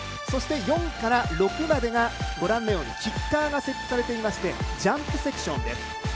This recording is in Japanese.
そして、４から６までがキッカーが設置されていましてジャンプセクションです。